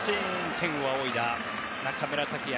天を仰いだ中村剛也。